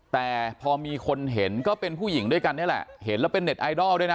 แต่พอมีคนเห็นก็เป็นผู้หญิงด้วยกันนี่แหละเห็นแล้วเป็นเน็ตไอดอลด้วยนะ